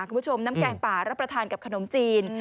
น้ำแกงป่ารับประทานกับขนมจีน